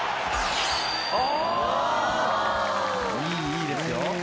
いいですよ。